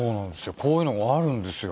こういうのがあるんですよ。